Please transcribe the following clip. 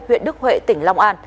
huyện đức huệ tỉnh long an